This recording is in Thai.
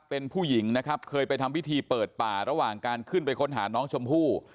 เป็นผู้หญิงนะครับเคยไปทำพิธีเปิดป่าระหว่างการขึ้นไปค้นหาน้องชมพู่